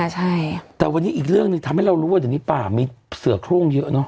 ใช่แต่วันนี้อีกเรื่องหนึ่งทำให้เรารู้ว่าเดี๋ยวนี้ป่ามีเสือโครงเยอะเนอ